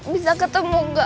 bisa ketemu nggak